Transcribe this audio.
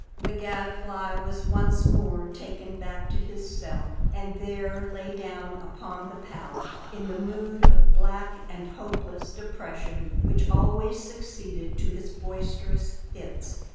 The Gadfly was once more taken back to his cell; and there lay down upon the pallet, in the mood of black and hopeless depression which always succeeded to his boisterous fits.